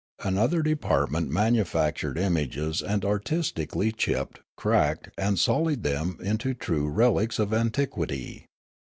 230 Riallaro Another department manufactured images, and artistic ally chipped, cracked, and sullied them into true relics of antiquity.